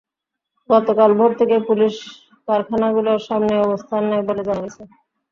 গতকাল ভোর থেকেই পুলিশ কারখানাগুলোর সামনে অবস্থান নেয় বলে জানা গেছে।